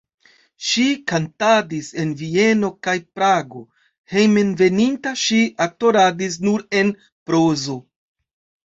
Ŝi kantadis en Vieno kaj Prago, hejmenveninta ŝi aktoradis nur en prozo.